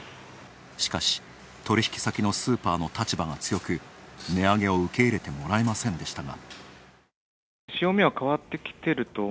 しかし、取引先のスーパーの立場が強く値上げを受け入れてもらえませんでしたが。